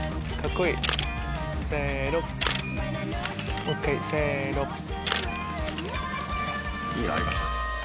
いいのありました？